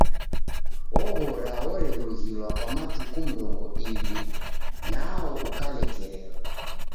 Oghora orerughilwa kwa matuku mrongo aw'i nwao ukalekerelwa.